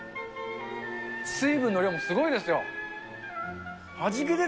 水分の量もすごいですよ。